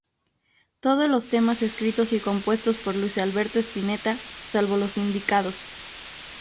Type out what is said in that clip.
Todos los temas escritos y compuestos por Luis Alberto Spinetta, salvo los indicados.